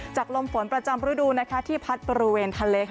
จากลมฝนประจำรูดูนะคะที่พัดบริเวณทะเลค่ะ